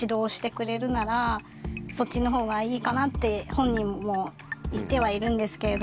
本人も言ってはいるんですけれども。